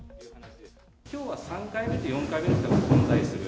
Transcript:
きょうは３回目と４回目の方が混在する。